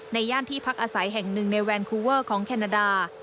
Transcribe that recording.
ย่านที่พักอาศัยแห่งหนึ่งในแวนคูเวอร์ของแคนาดา